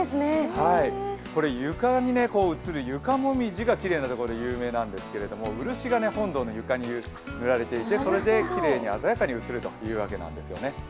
これ、床に映る床もみじがきれいなところで有名なんですがうるしが本堂の床に塗られていてそれできれいに鮮やかに映るというわけなんですよね。